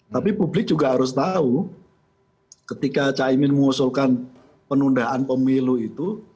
tapi publik juga harus tahu ketika caimin mengusulkan penundaan pemilu itu